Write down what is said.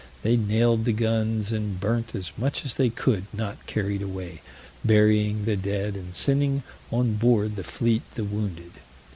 They nailed the guns, and burnt as much as they could not carry away, burying the dead, and sending on board the fleet the wounded.